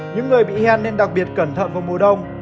những người bị hen nên đặc biệt cẩn thận vào mùa đông